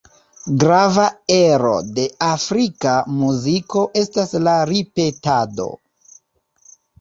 Grava ero de afrika muziko estas la ripetado.